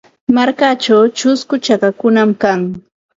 Markachaw chusku chakakunam kan.